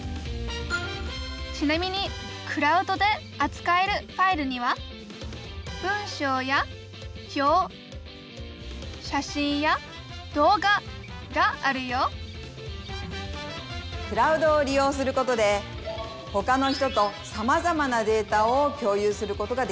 ちなみにクラウドであつかえるファイルには文章や表写真や動画があるよクラウドを利用することでほかの人とさまざまなデータを共有することができます。